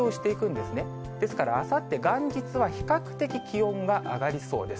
ですから、あさって元日は、比較的気温が上がりそうです。